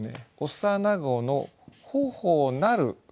「幼子の頬なる」。